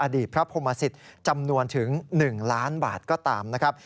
อดีตพระพรหมสิตจำนวนถึง๑ล้านบาทก็ตามนะครับ